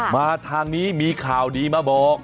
มาทางนี้มีข่าวดีมาบอก